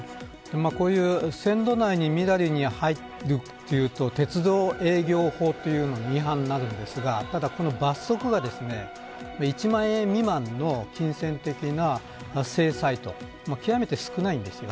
こういう線路内にみだりに入ることは鉄道営業法違反になるんですがこの罰則が１万円未満の金銭的な制裁と、極めて少ないんです。